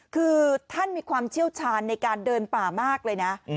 คือท่านมีความเชี่ยวชาญในการเดินป่ามากเลยนะ